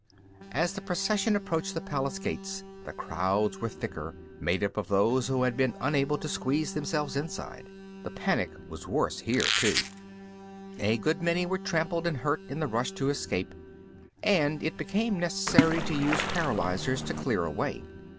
As the procession approached the palace gates, the crowds were thicker, made up of those who had been unable to squeeze themselves inside. The panic was worse, here, too. A good many were trampled and hurt in the rush to escape, and it became necessary to use paralyzers to clear a way.